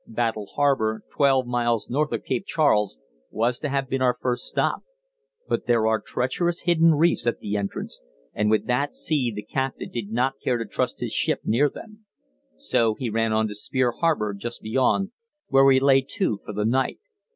Battle Harbour, twelve miles north of Cape Charles, was to have been our first stop; but there are treacherous hidden reefs at the entrance, and with that sea the captain did not care to trust his ship near them. So he ran on to Spear Harbour, just beyond, where we lay to for the night.